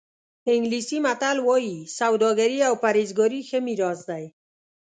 انګلیسي متل وایي سوداګري او پرهېزګاري ښه میراث دی.